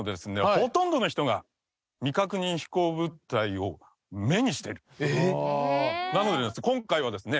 ほとんどの人が未確認飛行物体を目にしてるああなのでですね